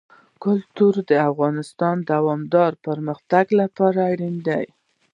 کلتور د افغانستان د دوامداره پرمختګ لپاره اړین دي.